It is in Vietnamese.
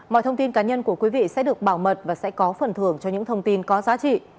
mọi thông tin cá nhân của quý vị sẽ được bảo mật và sẽ có phần thưởng cho những thông tin có giá trị